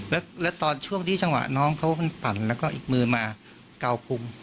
แล้วตอนช่วงที่จังหวะน้องเขามันปั่นแล้วก็อีกมือมาเกาคุม